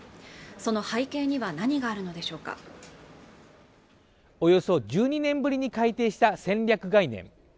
その背景には何があるのでしょうかおよそ１２年ぶりに改定した戦略概念